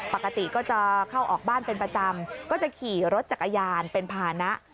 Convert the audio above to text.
ปกติก็จะเข้าออกบ้านเป็นประจำก็จะขี่รถจักรยานเป็นภานะ